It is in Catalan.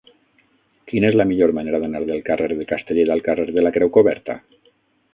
Quina és la millor manera d'anar del carrer de Castellet al carrer de la Creu Coberta?